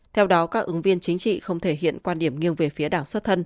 theo đó các ứng viên chính trị không thể hiện quan điểm nghiêng về phía đảng xuất thân